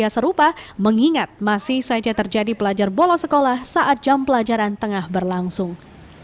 serupa mengingat masih saja terjadi pelajar bolos sekolah saat jam pelajaran tengah berlangsung